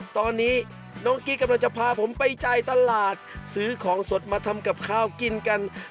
ตอนนี้น้องกี้กำลังจะพาผมไปจ่ายตลาดซื้อของสดมาทำกับข้าวกินกัน